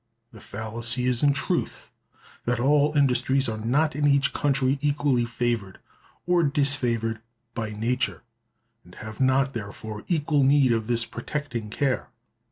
The fallacy is, in truth, ... that all industries are not in each country equally favored or disfavored by nature, and have not, therefore, equal need of this protecting care.